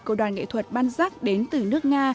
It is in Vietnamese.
của đoàn nghệ thuật ban giác đến từ nước nga